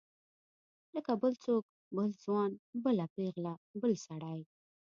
لکه بل څوک بل ځوان بله پیغله بل سړی.